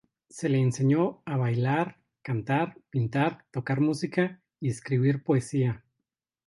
Se le enseñó a bailar, cantar, pintura, tocar música, y escribir poesía.